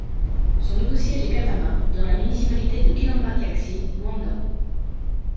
Son nouveau siège est Camama, dans la municipalité de Kilamba Kiaxi, Luanda.